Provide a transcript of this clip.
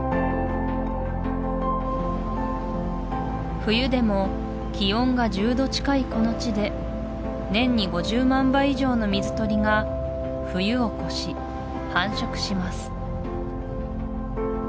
冬でも気温が１０度近いこの地で年に５０万羽以上の水鳥が冬を越し繁殖します